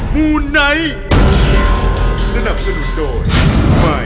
มูนไนท์สนับสนุนโดย